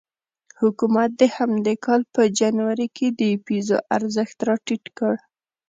حکومت د همدې کال په جنوري کې د پیزو ارزښت راټیټ کړ.